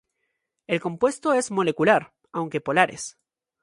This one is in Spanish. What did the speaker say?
El compuesto es molecular, aunque polares.